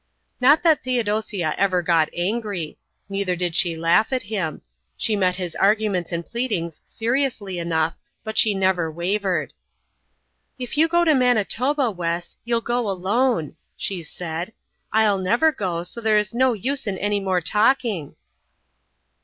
Not that Theodosia ever got angry. Neither did she laugh at him. She met his arguments and pleadings seriously enough, but she never wavered. "If you go to Manitoba, Wes, you'll go alone," she said. "I'll never go, so there is no use in any more talking."